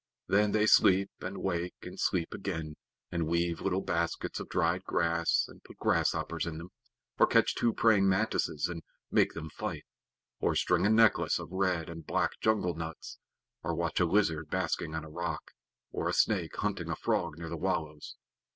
Then they sleep and wake and sleep again, and weave little baskets of dried grass and put grasshoppers in them; or catch two praying mantises and make them fight; or string a necklace of red and black jungle nuts; or watch a lizard basking on a rock, or a snake hunting a frog near the wallows.